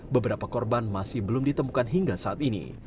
beberapa korban masih belum ditemukan hingga saat ini